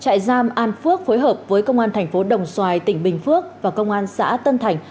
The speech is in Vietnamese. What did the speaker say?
trại giam an phước phối hợp với công an thành phố đồng xoài tỉnh bình phước và công an xã tân thành